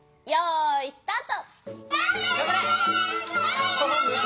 よいスタート！